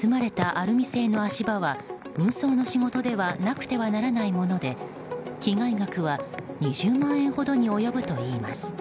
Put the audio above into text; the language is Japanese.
盗まれたアルミ製の足場は運送の仕事ではなくてはならないもので被害額は２０万円ほどに及ぶといいます。